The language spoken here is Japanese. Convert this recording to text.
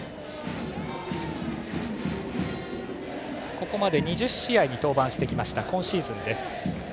ここまで２０試合に登板してきた今シーズンです。